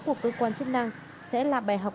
của cơ quan chức năng sẽ là bài học